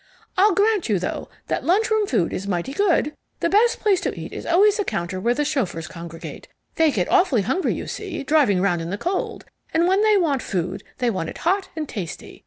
I'll grant you, though, that lunchroom food is mighty good. The best place to eat is always a counter where the chauffeurs congregate. They get awfully hungry, you see, driving round in the cold, and when they want food they want it hot and tasty.